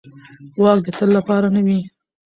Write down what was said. واک د تل لپاره نه وي